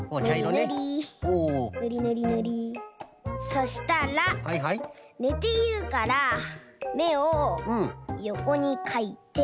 そしたらねているからめをよこにかいて。